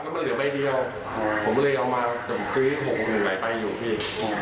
แล้วมันเหลือใบเดียวอ่าผมเลยเอามาซื้อหกหกหนึ่งหลายใบอยู่พี่